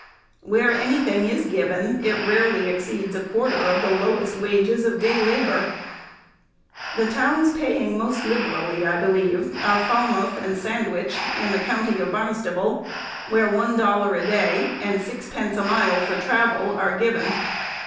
Where any thing is given, it rarely exceeds a quarter of the lowest wages of day labor. The towns paying most liberally, I believe, are Falmouth and Sandwich, in the county of Barnstable, where one dollar a day, and six pence a mile for travel, are given.